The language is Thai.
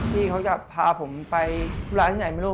พี่เขาจะพาผมไปร้านที่ไหนไม่รู้